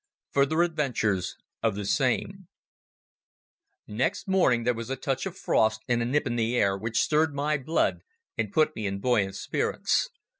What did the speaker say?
Further Adventures of the Same Next morning there was a touch of frost and a nip in the air which stirred my blood and put me in buoyant spirits.